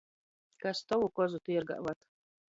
Kas tovu kozu tiergā vad?